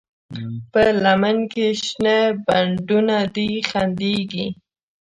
په لمن کې شنه بڼوڼه دي خندېږي